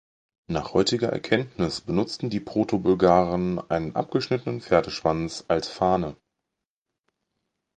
Nach heutiger Erkenntnis benutzten die Protobulgaren einen abgeschnittenen Pferdeschwanz als Fahne.